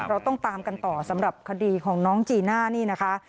เราต้องตามกันต่อสำหรับคดีของน้องจีน่านี่นะคะ